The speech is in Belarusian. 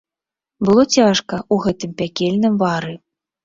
Было цяжка ў гэтым пякельным вары.